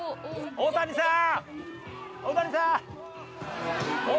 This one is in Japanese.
大谷さん！